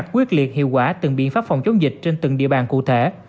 quyết liệt hiệu quả từng biện pháp phòng chống dịch trên từng địa bàn cụ thể